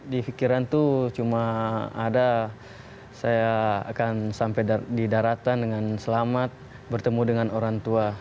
di pikiran tuh cuma ada saya akan sampai di daratan dengan selamat bertemu dengan orang tua